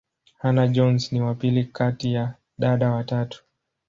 Hannah-Jones ni wa pili kati ya dada watatu.